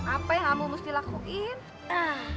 apa yang kamu mesti lakuin